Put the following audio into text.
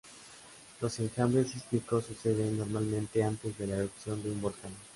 Los enjambres sísmicos suceden, normalmente, antes de la erupción de un volcán.